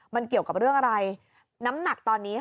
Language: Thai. มันเกี่ยวกับเรื่องอะไรน้ำหนักตอนนี้ค่ะ